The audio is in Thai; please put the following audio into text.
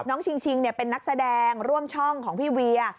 ชิงชิงเป็นนักแสดงร่วมช่องของพี่เวีย